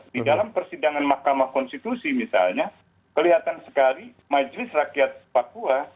di dalam persidangan makamah konstitusi misalnya kelihatan sekali majelis rakyat papua